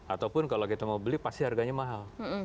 ataupun kalau kita mau beli pasti harganya mahal